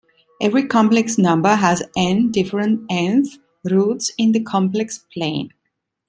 Every complex number has "n" different "n"th roots in the complex plane.